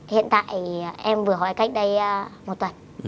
hiện tại em vừa hỏi cách đây một tuần